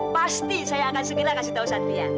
pasti saya akan segera kasih tahu satria